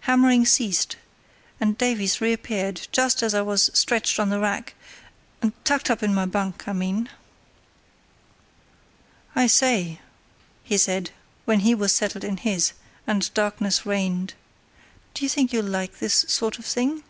Hammering ceased, and Davies reappeared just as I was stretched on the rack—tucked up in my bunk, I mean. "I say," he said, when he was settled in his, and darkness reigned, "do you think you'll like this sort of thing?"